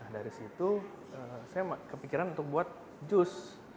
dari situ saya kepikiran untuk buat jus